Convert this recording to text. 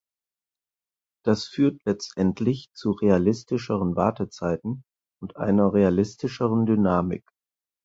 Das führt letztendlich zu realistischeren Wartezeiten und einer realistischeren Dynamik.